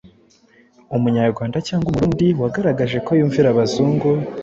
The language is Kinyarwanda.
Umunyarwanda cyangwa Umurundi wagaragaje ko yumvira Abazungu,